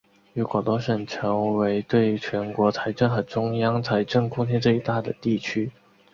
与广东省成为对全国财政和中央财政贡献最大的地区。